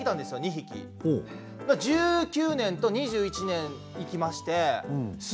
２匹１９年と２１年生きましてまし